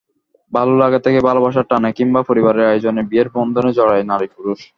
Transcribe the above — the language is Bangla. ভালো লাগা থেকে ভালোবাসার টানে কিংবা পরিবারের আয়োজনেই বিয়ের বন্ধনে জড়ায় নারী-পুরুষ।